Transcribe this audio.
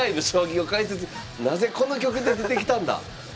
なぜこの曲で出てきたんだ！